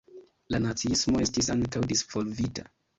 La naciismo estis ankaŭ disvolvita.